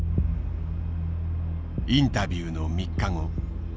インタビューの３日後。